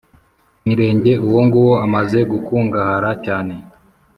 Mirenge uwo nguwo amaze gukungahara cyane